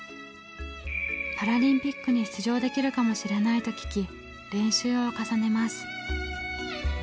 「パラリンピックに出場できるかもしれない」と聞き練習を重ねます。